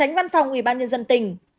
tránh văn phòng ủy ban nhân dân tỉnh